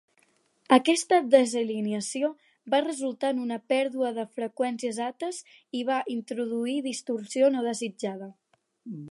Aquesta desalineació va resultar en una pèrdua de freqüències ates i va introduir distorsió no desitjada.